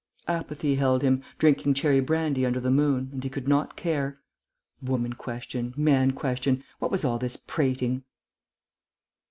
Apathy held him, drinking cherry brandy under the moon, and he could not care. Woman question? Man question? What was all this prating?